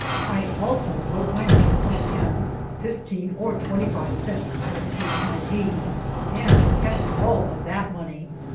I also wrote my name for ten, fif teen, or twenty five cents, as the case might be, and kept all of that money.